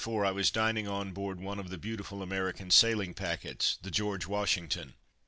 About 1834 I was dining on board one of the beautiful American sailing packets, the George Washington.